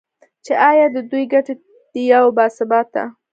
چې ایا د دوی ګټې د یو با ثباته